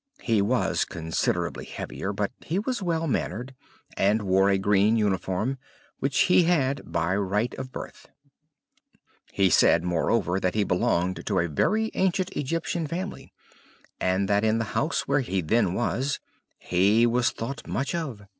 He was considerably heavier, but he was well mannered, and wore a green uniform, which he had by right of birth; he said, moreover, that he belonged to a very ancient Egyptian family, and that in the house where he then was, he was thought much of.